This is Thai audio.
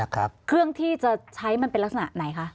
เครื่องที่จะใช้มันเป็นลักษณะไหนคะ